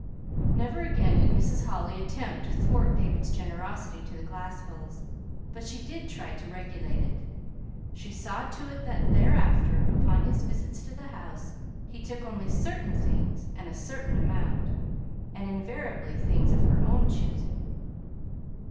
Never again did Mrs. Holly attempt to thwart David's generosity to the Glaspells; but she did try to regulate it. She saw to it that thereafter, upon his visits to the house, he took only certain things and a certain amount, and invariably things of her own choosing.